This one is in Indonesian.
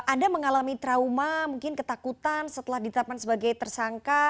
anda mengalami trauma mungkin ketakutan setelah ditetapkan sebagai tersangka